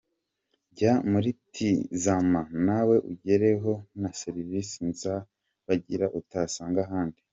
Jya muri Tizama nawe ugerweho na serivizi nziza bagira utasanga ahandi.